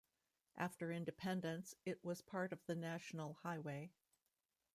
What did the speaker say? After independence, it was part of the national highway.